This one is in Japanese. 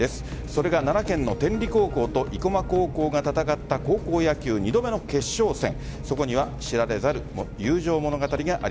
それが奈良県の天理高校と生駒高校が戦った高校野球２度目の決勝戦。